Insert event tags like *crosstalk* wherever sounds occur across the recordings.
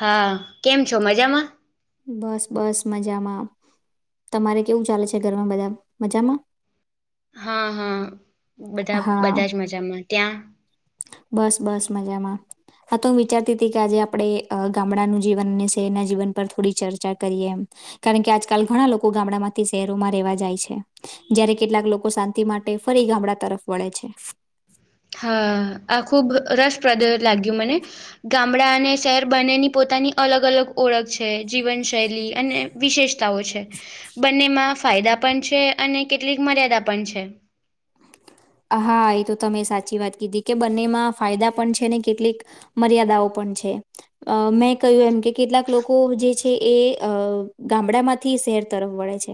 હા કેમ છો મજામાં બસ બસ મજામાં તમારે કેવું ચાલે છે ઘરમાં બધા મજામાં હા હા બધા હા, બધા જ મજામાં ત્યાં બસ બસ મજામાં હા તો હું વિચારતી હતી કે આજે આપણેે ગામડાનું જીવન અને શહેરના જીવન પર થોડી ચર્ચા કરીએ એમ કારણ કે આજકાલ ઘણા લોકો ગામડામાંથી શહેરોમાં રહેેવા જાય છે. જયારે કેટલાક લોકો શાંતિ માટે ફરી ગામડા તરફ વળે છે. હા આ ખુબ રસપ્રદ લાગ્યું મને ગામડા અને શહેર બંનેની પોતાની અલગ અલગ ઓળખ છે જીવનશૈલી અને વિશેષતાઓ છે બંનેમાં ફાયદા પણ છે અને કેટલીક મર્યાદા પણ છે. હા એ તો તમે સાચી વાત કીધી કે બંનેમાં ફાયદા પણ છે ને કેટલીક મર્યાદાઓ પણ છે. અ મેં કહ્યું એમ કે કેટલાક લોકો જે છે એ અ ગામડામાં થી શહેર તરફ વળે છે.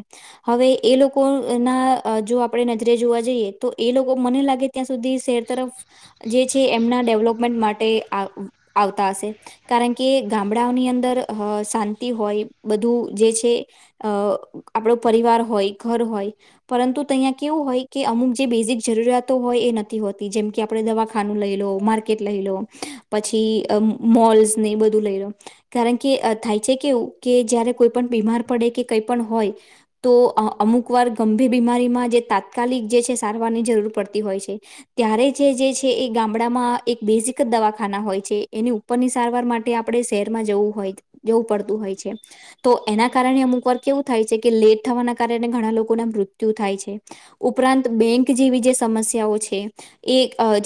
હવે એ લોકોના જો આપણે નજરે જોવા જઈએ તો એ લોકો મને લાગે ત્યાં સુધી શહેર તરફ જે છે એમના ડેવલોપમેન્ટ માટે આ આવતા હશે. કારણ કે ગામડાઓની અંદર શાંતિ હોય બધું જે છે. અ આપણો પરિવાર હોય ઘર હોય. પરંતુ તહીંયા કેવું હોય કે અમુક જે બેઝિક જરૂરિયાતો હોય એ નથી હોતી. જેમ કે આપણે દવાખાનું લઈ લો, માર્કેટ લઈ લો. પછી મોલ્સને એ બધું લઈ લો. કારણ કે અ થાય છે કેવું કે જયારે કોઈ પણ બીમાર પડે કે કઈ પણ હોય. તો અમુક વાર ગંભીર બીમારીમાં જે તાત્કાલિક જે છે સારવારની જરૂર પડતી હોય છે. ત્યારે જે જે છે એ ગામડામાં એક બેઝિક જ દવાખાના હોય છે. એની ઉપ ઉપરની સારવાર માટે આપણે શહેરમાં જવું હોય, જવું પડતું હોય છે. તો એના કારણે અમુક વાર કેવું થાય છે કે લેટ થવાના કારણે ઘણા લોકોના મૃત્યુ થાય છે. ઉપરાંત બેંક જેવી જે સમસ્યાઓ છે. એ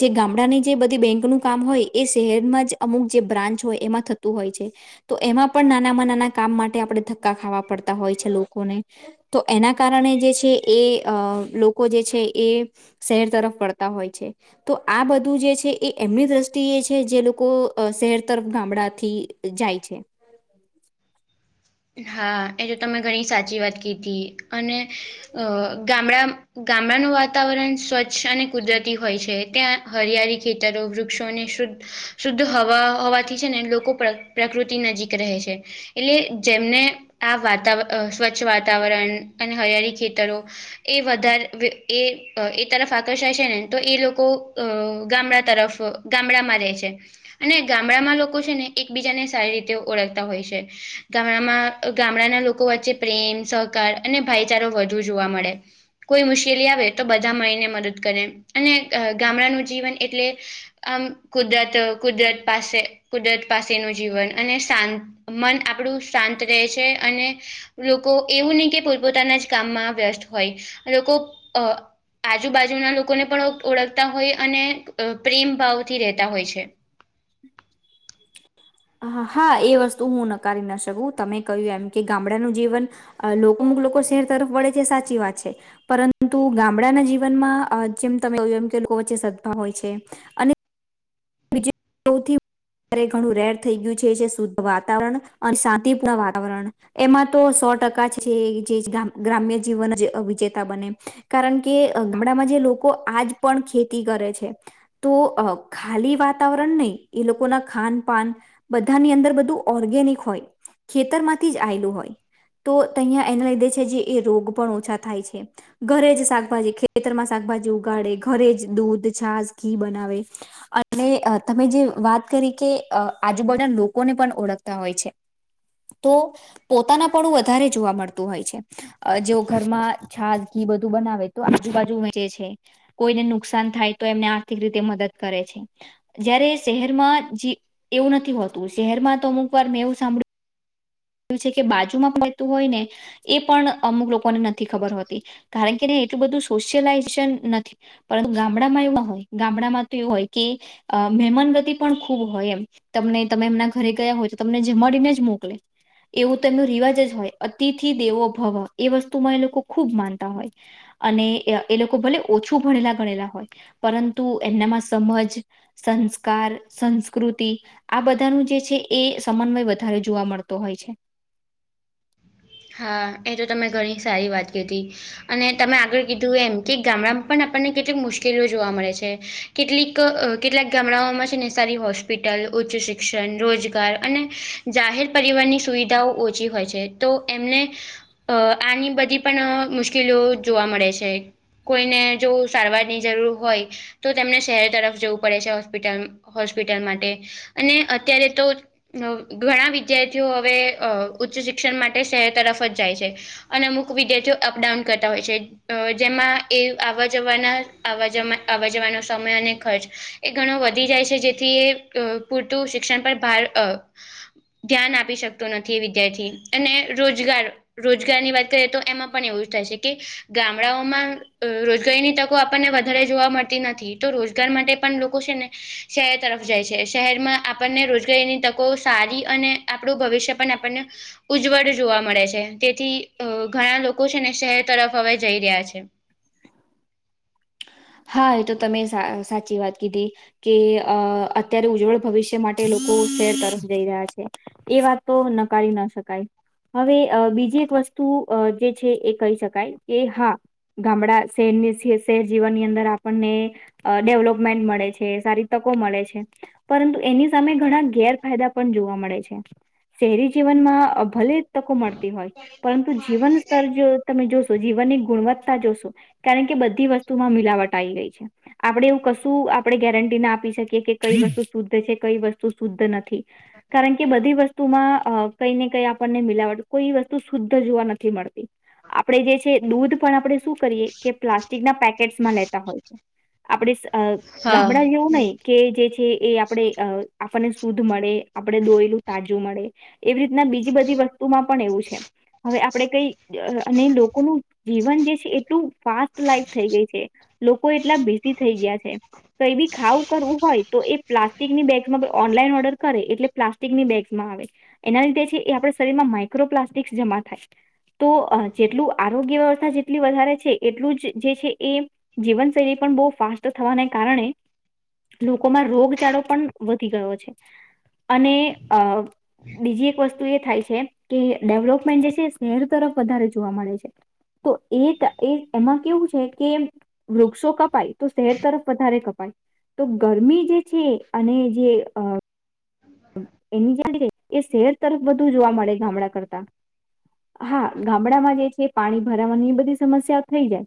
જે ગામડાની જે બધી બેંકનું કામ હોય એ શહેરમાં જ અમુક જે બ્રાન્ચ હોય એમાં થત તું હોય છે. તો એમાં પણ નાનામાં નાના કામ માટે આપણે ધક્કા ખાવા પડતા હોય છે લોકોને. તો એના કારણે જે છે એ અ લોક લોકો જે છે એ શહેર તરફ વળતા હોય છે. તો આ બધું જે છે એ એમની દ્રષ્ટિએ છે જે લોકો શહેર તરફ ગામડાથી જાય છે. હા એ તો તમે ઘણી સાચી વાત કીધી અને અ ગામડા ગામડાનું વાતાવરણ સ્વચ્છ અને કુદરતી હોય છે. ત્યાં હરિયાળી, ખેતરો, વૃ વૃક્ષોને શુદ્ શુદ્ધ હવા હોવાથી છે ને લોકો પ્ર પ્રકૃતિ નજીક રહે છે. એટલે જેમને આ વાતા અ સ્વચ્છ વાતાવરણ અને હરિયાળી ખેતરો. એ વધારે એ એ તરફ આકર્ષાય છે ને તો એ લોકો અ ગામડા તરફ ગામડામાં રહે છે. અને ગામડામાં લોકો છે ને એકબીજાને સારી રીતે ઓળખતા હોય છે. ગામડામાં ગામડાના લોકો વચ્ચે પ્રેમ, સહકાર અને ભાઈચારો વધુ જોવા મળે. કોઈ મુશ્કેલી આવે તો બધા મળીને મદદ કરે. અને ગામડાનું જીવન એટલે આમ કુદરત કુદરત પાસે કુદરત પાસેનું જીવન અને શાંત મન આપણું શાંત રહે છે. અને લોકો એવું નહીં કે પોતપોતાના જ કામમાં વ્યસ્ત હોય. લોકો અ આજુબાજુના લોકોને પણ ઓળખતા હોય અને અ પ્રેમ ભાવથી રહેતા હોય છે. હ હા એ વસ્તુ હું નકારી ન શકું. તમે કહ્યું એમ કે ગામડાનું જીવન અ લોક અમુક લોકો શહેર તરફ વળે છે એ સાચી વાત છે. પરંતુ ગામડાના જીવનમાં જેમ તમે કહ્યું એમ કે લોકો વચ્ચે સદભાવ હોય છે. અને બીજી સૌથી વધારે ઘણું રેર થઈ ગયું છે જે શુદ્ધ વાતાવરણ અને શાંતિપૂર્ણ વાતાવરણ. એમાં તો સો ટકા જ છે જે ગ્રા ગ્રામ્ય જીવન અ વિજેતા બને. કારણ કે ગામડામાં જે લોકો આજ પણ ખેતી કરે છે. તો અ ખાલી વાત વાતાવરણ નહી એ લોકોના ખાન પાન બધાની અંદર બધું ઓર્ગેનિક હોય. ખેતરમાંથી જ આયલું હોય તો તહીંયા એને લીધે છે જે એ રોગ પણ ઓછા થાય છે. ઘરે જ શાકભાજી ખેતરમાં શાકભાજી ઉગાડે ઘરે જ દૂધ, છાસ, ઘી, બનાવે. અને અ તમે જે વાત કરી કે અ આજુબાજુના લોકોને પણ ઓળખતા હોય છે. તો પોતાના પણું વધારે જોવા મળતું હોય છે. અ જો ઘરમાં છાસ, ઘી બધું બનાવે તો આજુબાજુ વેચે છે. કોઈને નુકસાન થાય તો એમને આર્થિક રીતે મદદ કરે છે. જયારે શહેરમાં જી એવું નથી હોતું શહેરમાં તો અમુક વાર મેં એવું સાંભળ્યું યુ છે કે બાજુમાં પણ રહેતું હોય ને એ પણ અમુક લોકોને નથી ખબર હોતી. કારણ કે એટલું બધું સોશિયલાઈઝ નથી. પરંતુ ગામડામાં એવું ન હોય, ગામડામાં તો એવું હોય કે અ મહેમાનવતી પણ ખુબ હોય એમ તમને તમે એમના ઘરે ગયા હોય તો તમને જમાડીને જ મોકલે. એવું તેમ એનો રિવાજ જ હોય અતિથિ દેવો ભવ એ વસ્તુમાં એ લોકો ખૂબ માનતા હોય. અને એ લોકો ભલે ઓછું ભણેલા ગણેલા હોય પરંતુ એમનામાં સમજ સંસ્કાર, સંસ્કૃતિ આ બધાનું જે છે એ સમન્વય વધારે જોવા મળત તો હોય છે. હા એ તો તમે ઘણી સારી વાત કીધી. અને તમે આગળ કીધું એમ કે ગામડામાં પણ આપણને કેટલીક મુશ્કેલી જોવા મળે છે. કેટલીક કેટલાક ગામડાઓમાં છે ને સારી હોસ્પિટલ, ઉચ્ચ શિક્ષણ, રોજગાર અને જાહેર પરિવારની સુવિધાઓ ઓછી હોય છે તો એમને, અ આની બધી પણ મુશ્કેલીઓ જોવા મળે છે. કોઈને જો સારવારની જરૂર હોય. તો તેમને શહેર તરફ જવું પડે છે હોસ્પિટલ હોસ્પિટલ માટે. અને અત્યારે તો ઘણા વિદ્યાર્થીઓ હવે ઉચ્ચ શિક્ષણ માટ તે શહેર તરફ જ જાય છે અને અમુક વિદ્યાર્થીઓ અપડાઉન કરતા હોય છે. અ જેમાં એ આવવા જવાના જ આવવા જવાનો સમય અને ખર્ચ એ ઘણો વધી જાય છે જેથી એ પૂરતું શિક્ષણ પર ભાર ધ્યાન આપી શકતો નથી એ વિદ્યાર્થી. અને રોજગાર રોજગારની વાત કરીએ તો એમાં પણ એવું જ થાય છે કે ગામડાઓમાં. રોજગારીની તકો આપણને વધારે જોવા મળતી નથી તો રોજગાર માટે પણ લોકો છે ને શહેર તરફ જાય છે શહેરમાં આપણને રોજગારીની તકો સારી અને આપણું ભવિષ્ય પણ આપ પણ ને ઉજ્જવળ જોવા મળે છે તેથી ઘણા લોકો છે ને શહેર તરફ હવે જઈ રહ્યા છે. હા એ તો તમે સાચી વાત કીધી કે અ અત્યારે ઉજ્જવળ ભવિષ્ય માટે લોકો શહેર *unintelligible* તરફ જઈ રહ્યા છે. એ વાત તો નકારી ના શકાય હવે બીજી એક વસ્તુ જે છે એ કહી શકાય કે હા ગામડા શેરની શેર જીવનની અંદર આપણને ડેવલપમેન્ટ મળે છે, સારી તકો મળે છે. પરંતુ એની સામે ઘણા ગેરફાયદા પણ જોવા મળે છે. શહેરી જીવનમાં ભલે તકો મળતી હોય પરંતુ જીવન સ્તર જો તમે જોશો જીવનની ગુણવત્તા જોશો કારણ કે બધી વસ્તુમાં મિલાવટ આવી ગઈ છે આપણેે એવું કશું આપણે ગેરંટી ના આપી શકીએ કે કઈ વસ્તુ શુદ્ધ છે કઈ વસ્તુ શુદ્ધ નથી કારણ કે બધી વસ્તુમાં કઈ ને કઈ આપણને મિલાવટ કોઈ વસ્તુ શુદ્ધ જોવા નથી મળતી આપડણે જે છે દૂધ પણ આપડણે શું કરીએ કે પ્લાસ્ટિક ના પેકેટ્માં લેતા હોય આપણે હા ગામડા જેવું હમ નહી. કે જે છે એ આપણે આપણને શુદ્ધ મળે આપણે દોયલું તાજું મળે એવી રીતના બીજી બધી વસ્તુમાં પણ એવું છે હવે આપણે કઈ અને લોકોનું જીવન જે છે એટલું ફાસ્ટ લાઈફ થઈ ગઈ છે લોકો એટલા બિઝી થઈ ગયા છે કઈ બી ખાવું કરવું હોય તો એ પ્લાસ્ટિકની બેગ્સમાં ઓનલાઈન ઓર્ડર કરે એટલે પ્લાસ્ટિકની બેગસમાં આવે. એના લીધે છે એ આપણા શરીરમાં માઈક્રોપ્લાસ્ટિક્સ જમા થાય. તો જેટલું આરોગ્ય વ્યવસ્થા જેટલી વધારે છે એટલું જ જે છે એ જીવનશૈલી પણ બહુ ફાસ્ટ થવાને કારણે લોકોમાં રોગચાળો પણ વધી ગયો છે અને અ બીજી એક વસ્તુ એ થાય છે કે ડેવલોપમેન્ટ જે છે શહેર તરફ વધારે જોવા મળે છે. તો એ એ એમાં કેવું છે કે વૃક્ષો કપાય તો શહેર તરફ વધારે કપાય તો ગરમી જે છે અને જે એની જ એ શહેર તરફ બધું જોવા મળે ગામડા કરતા હા ગામડામાં જે છે પાણી ભરાવાની એ બધી સમસ્યાઓ થઈ જાય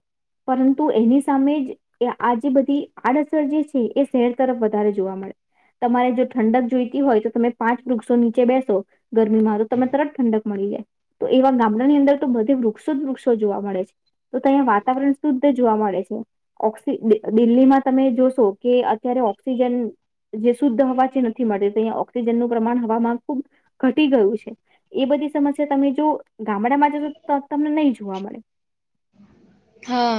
પરંતુ એની સામે જ એ આ જે બધી આડઅસર જે છે એ શહેર તરફ વધારે જોવા મળે તમારે જો ઠંડક જોઈ હોય તો તમે પાંચ વૃક્ષો નીચે બેસો ગરમીમાં તો તમે તરત ઠંડક મળી જાય. તો એવા ગામડાની અંદર તો બધે વૃક્ષો જ વૃક્ષો જોવા મળે છે. તો તો અહીંયા વાતાવરણ શુદ્ધ જોવા મળે છે. ઓક્સ દિલ્હીમાં તમે જોશો કે અત્યારે ઓક્સિજન જે શુદ્ધ હવાથી નથી મળે અહીં ઓક્સિજનનું પ્રમાણ હવામાં ખુબ ઘટી ગયું છે એ બધી સમસ્યા તમે જો ગામડામાં જ તમને નહી જોવા મડે. હા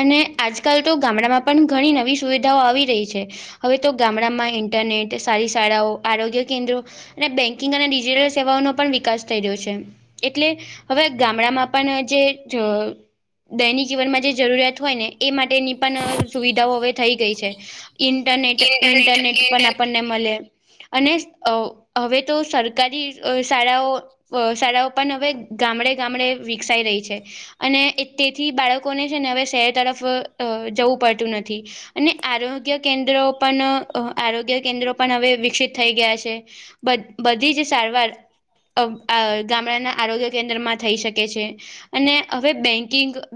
અને આજકાલ તો ગામડામાં પણ ઘણી નવી સુવિધાઓ આવી રહી છે. હવે તો ગામડામાં ઇન્ટરનેટ સારી શાળાઓ આરોગ્ય કેન્દ્રો અને બેન્કિંગ અને ડિજિટલ સેવાનો પણ વિકાસ થઈ રહ્યો છે. એટલે હવે ગામડામાં પણ જે દૈનિક જીવનમાં જે જરૂરિયાત હોય ને એ માટેની પણ સુવિધાઓ હવે થઈ ગઈ છે. ઇન્ટરનેટ ઇન્ટરનેટ પણ આપણને મળે. અને હવે તો સરકારી શાળાઓ અ શાળાઓ પણ હવે ગામડે ગામડે વિકસાઈ રહી છે અને તેથી બાળકોને છે ને હવે શહેર તરફ જવું પડતું નથી. અને આરોગ્ય કેન્દ્રો પણ આરોગ્ય કેન્દ્રો પણ હવે વિકસિત થઈ ગયા છે. બધી જ સારવાર ગામડાના આરોગ્ય કેન્દ્રમાં થઈ શકે છે અને હવે બેંક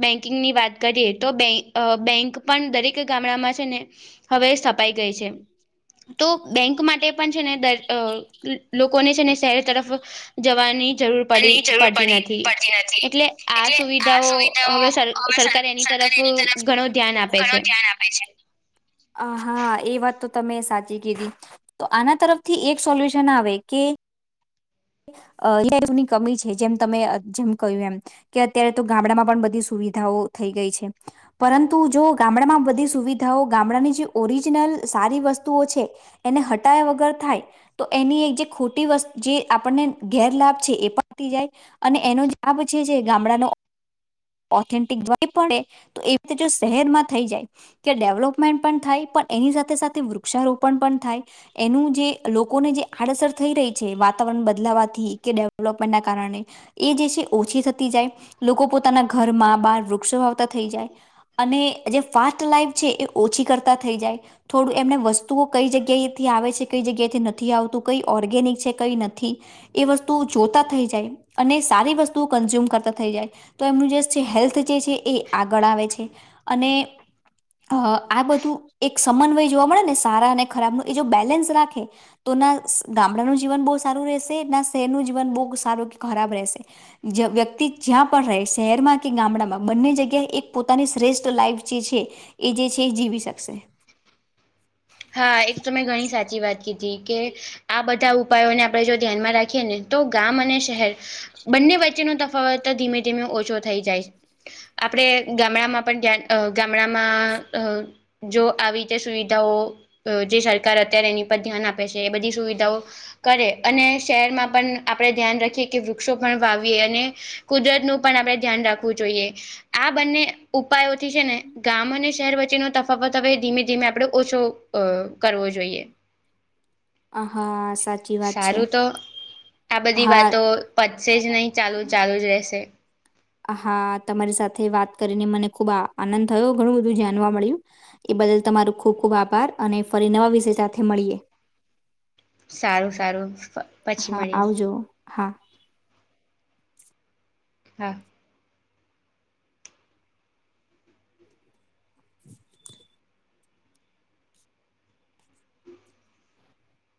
બેંકિંગ ની વાત કરીએ તો બે બેંક પણ દરેક ગામડામાં છે ને હવે સ્થપાઈ ગઈ છે. તો બેંક માટે પણ છે ને દ લોકોને છે ને શહેર તરફ- જવાની જરૂર પડી જરૂર પડતી પડી નથી પડતી નથી. એટલે આ સુવિધાઓ- હવે સર સરકાર એની તરફ ઘણું ધ્યાન આપે છે. ઘણું ધ્યાન હા એ વાત તો તમે સાચી કીધી- તો આના તરફથી એક સોલ્યુશન આવે કે- અ ની કમી છે જેમ તમે જેમ કહ્યું એમ- કે અત્યારે તો ગામડામાં પણ બધી સુવિધાઓ થઈ ગઈ છે. પરંતુ જો ગામડામાં બધી સુવિધાઓ ગામડાની જે ઓરિજિનલ સારી વસ્તુઓ છે. એને હટાયા વગર થાય તો એની એક જે ખોટી વસ્ત જે- આપને ઘેર લાભ છે એ પણ થ જાય અને એનો લાભ જે ગામડાનો- ઓથેન્ટિક દ પડે તો એ રીતે જો શહેરમાં થઈ જાય- કે ડેવલપમેન્ટ પણ થાય પણ એની સાથે સાથે વૃક્ષારોપણ પણ થાય. એનું જે લોકોને જે આડઅસર થઈ રહી છે વાત- વાતાવરણ બદલાવાથી કે ડેવલપમેન્ટના કારણે- એ જે છે ઓછી થતી જાય લોકો પોતાના ઘર માં બાર વૃક્ષ વાવતા થઈ જાય- અને જે ફાસ્ટ લાઈફ છે એ ઓછી કરતા થઈ જાય. થોડું એમને વસ્તુઓ કઈ જગ્યાએથી આવે છે કઈ જગ્યાએથી નથી આવતું કઈ ઓર્ગેનિક છે કઈ નથી? એ વસ્તુ જોતા થઈ જાય અને સારી વસ્તુ કન્ઝ્યુમ કરતા થઈ જાય. તો એમનું જે હેલ્થ જે છે એ આગળ આવે છે અને- અ આ બધું એક સમન્વય જોવા મળે ને સારા અને ખરાબનું એ જો બેલેન્સ રાખે- તો ના ગામડાનું જીવન બહુ સારું રહેશે ના શહેરનું જીવન બહુ સારું કે ખરાબ રહેશે- જ વ્યક્તિ જ્યાં પણ રહે શહેરમાં કે ગામડામાં બંને જગ્યાએ એક પોતાની શ્રેષ્ઠ લાઈફ જે છે. એ જે છે એ જીવી શકશે? હા એ તો તમે ઘણી સાચી વાત કી હતી કે- આ બધા ઉપાયોને આપણે જો ધ્યાનમાં રાખીએ ને તો ગામ અને શહેર- બંને વચ્ચેનોો તફાવત ધીમે ધીમે ઓછો થઈ જાય છે. આપણેે ગામડામાં પણ ગામડામાં અ- જો આવી રીતે સુવિધાઓ જે સરકાર અત્યારે એની પર ધ્યાન આપે છે એ બધી સુવિધાઓ કરે અને શહેરમાં પણ આપણેે ધ્યાન રાખીએ કે વૃક્ષો પણ વાવીએ અને કુદરતનું પણ આપડણે ધ્યાન રાખવું જોઈએ આ બંને ઉપાયોથી છે ને ગામ અને શહેર વચ્ચેનો તફાવત હવે ધીમે ધીમે આપડો ઓછો અ કરવો જોઈએ હા સાચી વાત છે સારું તો આ બધી હા વાતો પછશે જ નહીં ચાલુ ચાલું જ રહેશે હા તમારી સાથે વાત કરીને મને ખુબ આનંદ થયો ઘણું બધું જાણવા મળ્યું એ બદલ તમારું ખૂબ ખૂબ આભાર અને ફરી નવા વિષય સાથે મળીએ સારું સારું પછી હા મળી આવજો હા હા *unintelligible*